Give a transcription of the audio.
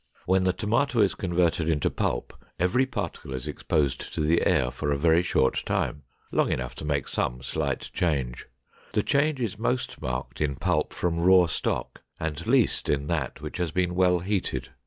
When the tomato is converted into pulp, every particle is exposed to the air for a very short time—long enough to make some slight change. The change is most marked in pulp from raw stock and least in that which has been well heated.